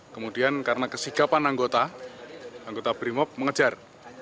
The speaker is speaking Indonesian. kemudian karena kesikapan anggota anggota brimop mengejar